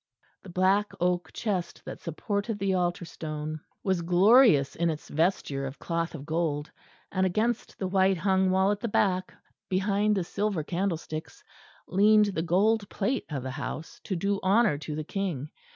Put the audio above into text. The black oak chest that supported the altar stone was glorious in its vesture of cloth of gold; and against the white hung wall at the back, behind the silver candlesticks, leaned the gold plate of the house, to do honour to the King.